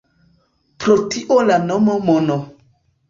Pro tio la nomo “Mono”.